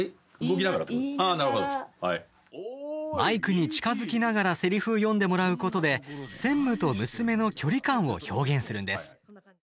マイクに近づきながらせりふを読んでもらうことで専務と娘の距離感を表現するんです。